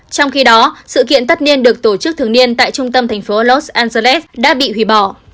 trong khi đó sự kiện tất niên được tổ chức thường niên tại trung tâm thành phố alos angeles đã bị hủy bỏ